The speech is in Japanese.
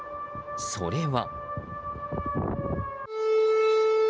それは。